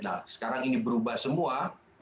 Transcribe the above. nah sekarang ini berubah semua